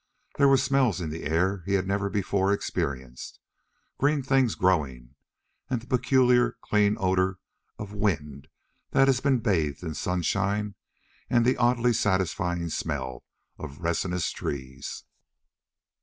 There were smells in the air he had never before experienced, green things growing, and the peculiar clean odor of wind that has been bathed in sunshine, and the oddly satisfying smell of resinous trees.